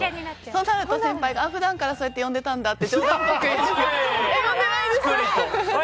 そうなると先輩が、普段からそうやって呼んでたんだって。